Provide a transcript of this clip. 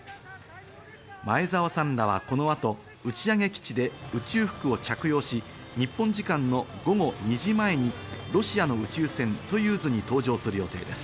前澤さんらは、この後打ち上げ基地で宇宙服を着用し、日本時間の午後２時前にロシアの宇宙船ソユーズに搭乗する予定です。